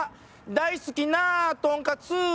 大好きなとんかつ」